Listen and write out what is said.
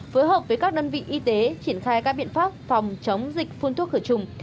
phối hợp với các đơn vị y tế triển khai các biện pháp phòng chống dịch phun thuốc khử trùng